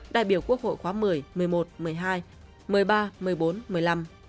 đại biểu quốc hội khóa một mươi một mươi một một mươi hai một mươi ba một mươi bốn một mươi năm